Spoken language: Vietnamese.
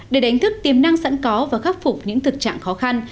để đánh thức tiềm năng sẵn có và khắc phục những thực trạng khó khăn